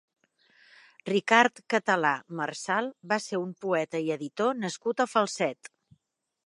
Ricard Català Marsal va ser un poeta i editor nascut a Falset.